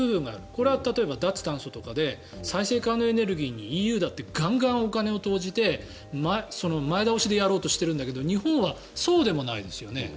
これは例えば、脱炭素とかで再生可能エネルギーにＥＵだってガンガンお金を投じて前倒しでやろうとしているんだけど日本はそうでもないですよね。